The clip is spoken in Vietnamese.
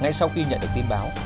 ngay sau khi nhận được thông tin